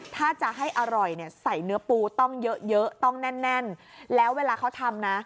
ถ้าจะให้อร่อยเนี่ยใส่เนื้อปูต้องเยอะเยอะต้องแน่นแล้วเวลาเขาทำนะ